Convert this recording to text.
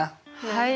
はい。